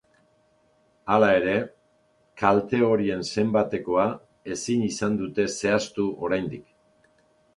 Hala ere, kalte horien zenbatekoa ezin izan dute zehaztu oraindik.